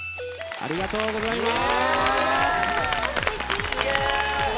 ありがとうございます。